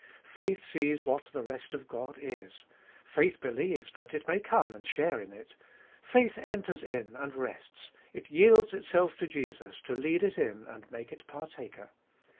Faith sees what the rest of God is ; faith believes that it may come and share in it ; faith enters in and rests, it yields itself to Jesus to lead it in and make it partaker.